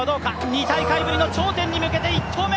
２大会ぶりの頂点に向けて１投目。